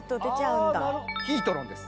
ヒートロンです。